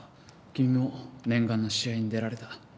君も念願の試合に出られた。